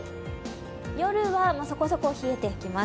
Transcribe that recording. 夜はそこそこ冷えてきます。